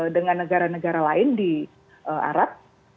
dengan negara negara lain di arab